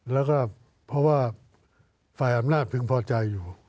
แล้วก็เพราะว่าฝ่ายอำนาจพึงพอใจอยู่